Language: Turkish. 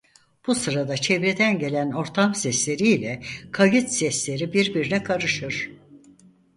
Bu sırada çevreden gelen ortam sesleri ile kayıt sesleri birbirine karışır.